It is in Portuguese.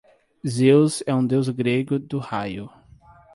Zeus é um deus grego do raio.